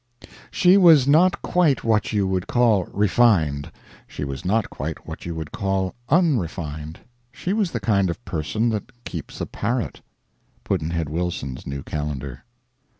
She was not quite what you would call refined. She was not quite what you would call unrefined. She was the kind of person that keeps a parrot. Pudd'nhead Wilson's New Calendar.